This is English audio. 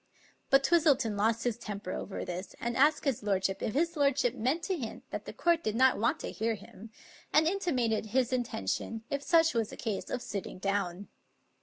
But Twistleton lost his temper over this, and asked his lord ship if his lordship meant to hint that the court did not want to hear him; and intimated his intention, if such was the case, of sitting down.